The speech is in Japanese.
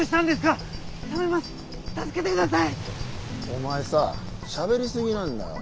お前さしゃべりすぎなんだよ。